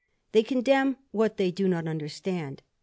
They condemn what they do not understand."